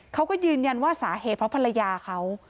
เขาก็ยืนยันว่าสาเหตุเพราะภรรยาเขา